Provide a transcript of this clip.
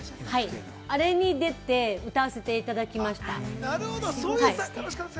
あれに出て歌わせていただきました。